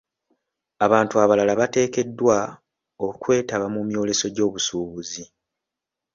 Abantu abalala bateekeddwa okwetaba mu myoleso gy'obusuubuzi.